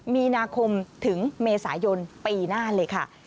มีนาคมถึงเมษายนปีหน้าเลยค่ะ